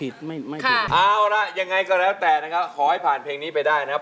เอาล่ะอย่างไงก็แล้วแต่ขอให้ภาพีฟังนี้ไปจบ